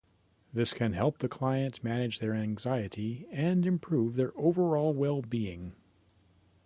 This can help the client manage their anxiety and improve their overall well-being.